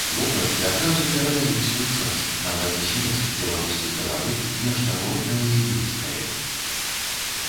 Вокладкі адразу перадаюць той час, нават змест, беларускі каларыт, нешта роднае і блізкае.